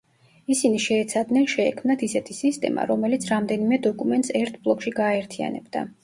ისინი შეეცადნენ, შეექმნათ ისეთი სისტემა, რომელიც რამდენიმე დოკუმენტს ერთ ბლოკში გააერთიანებდა.